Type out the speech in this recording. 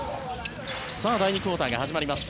さあ、第２クオーターが始まります。